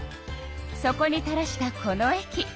そこにたらしたこのえき。